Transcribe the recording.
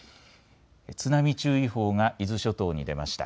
津波注意報が伊豆諸島に出ました。